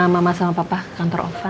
jadi aku bisa jadi ngaku ngaku aja